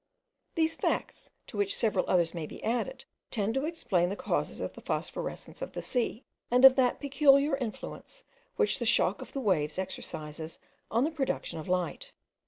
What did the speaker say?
These facts, to which several others may be added, tend to explain the causes of the phosphorescence of the sea, and of that peculiar influence which the shock of the waves exercises on the production of light.